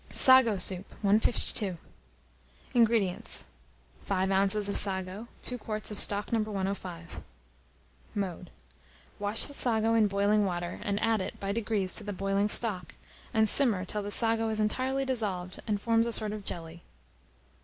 SAGO SOUP. 152. INGREDIENTS. 5 oz. of sago, 2 quarts of stock No. 105. Mode. Wash the sago in boiling water, and add it, by degrees, to the boiling stock, and simmer till the sago is entirely dissolved, and forms a sort of jelly.